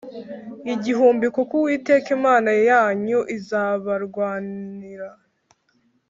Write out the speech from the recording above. igihumbi kuko Uwiteka Imana yanyu izabarwanira